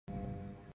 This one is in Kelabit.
No sound